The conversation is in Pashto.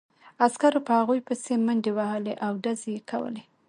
عسکرو په هغوی پسې منډې وهلې او ډزې یې کولې